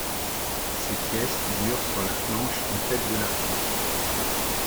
Ces pièces figurent sur la planche en tête de l'article.